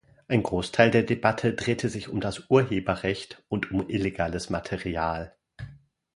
Ein Großteil der Debatte drehte sich um das Urheberrecht und um illegales Material.